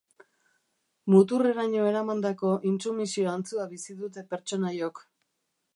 Muturreraino eramandako intsumisio antzua bizi dute pertsonaiok.